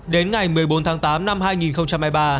đến ngày một mươi bốn tháng tám năm hai nghìn hai mươi ba